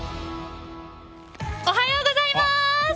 おはようございます！